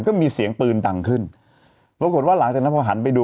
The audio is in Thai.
ก็มีเสียงปืนดังขึ้นปรากฏว่าหลังจากนั้นพอหันไปดู